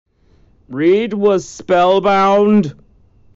Reid was spellbound.